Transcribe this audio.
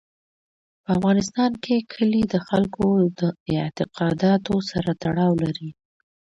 په افغانستان کې کلي د خلکو د اعتقاداتو سره تړاو لري.